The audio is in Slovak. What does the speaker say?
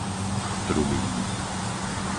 Trubín